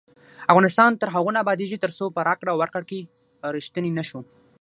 افغانستان تر هغو نه ابادیږي، ترڅو په راکړه ورکړه کې ریښتیني نشو.